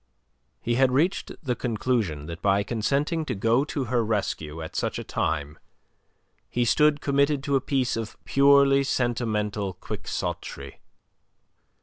He had reached the conclusion that by consenting to go to her rescue at such a time he stood committed to a piece of purely sentimental quixotry.